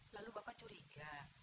lalu bapak curiga